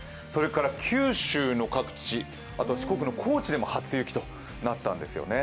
九州の各地、あと四国の高知でも初雪となったんですよね。